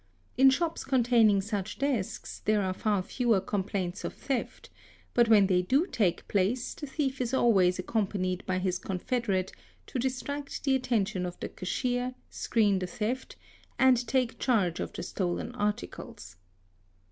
In shops containing such desks there are far fewer complaints of theft, but when they do take place, the thief is always accompanied by his confederate to distract the attention of the cashier, screen the theft, and take charge of the stolen articles.